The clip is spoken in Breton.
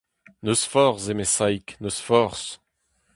N'eus forzh, eme Saig, n'eus forzh…